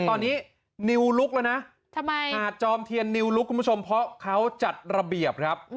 ตอนนี้นิวลุกแล้วนะทำไมหาดจอมเทียนนิวลุกคุณผู้ชมเพราะเขาจัดระเบียบครับ